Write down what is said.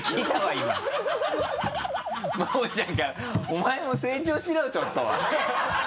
お前も成長しろちょっとは。